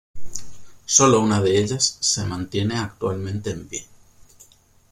Sólo una de ellas se mantiene actualmente en pie.